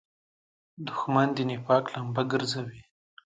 دښمن د نفاق لمبه ګرځوي